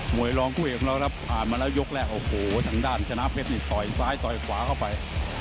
วยรองคู่เอกของเราครับผ่านมาแล้วยกแรกโอ้โหทางด้านชนะเพชรนี่ต่อยซ้ายต่อยขวาเข้าไป